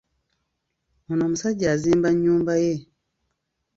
Ono omusajja azimba nnyumba ye.